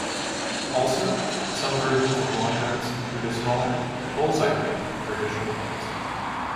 Also, some versions of Lawn darts include a smaller "bulls-eye" ring for additional points.